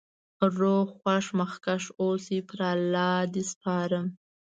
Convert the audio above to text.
روغ خوښ مخکښ اوسی.پر الله د سپارم